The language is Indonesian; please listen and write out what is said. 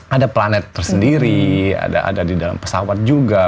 ada planet tersendiri ada di dalam pesawat juga